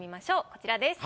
こちらです。